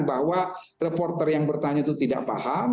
bahwa reporter yang bertanya itu tidak paham